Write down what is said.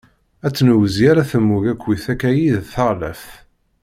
Ad tt-nezwi alma temmug akkit akkayi d taxlaft.